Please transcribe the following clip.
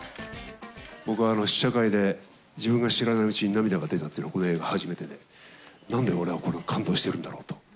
僕は試写会で、自分が知らないうちの涙が出てたのはこの映画が初めてで、なんで俺はこんな感動してるんだろうと。